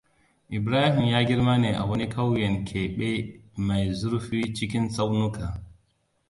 Ibrahim ya girma ne a wani ƙauyen keɓe mai zurfi cikin tsaunuka.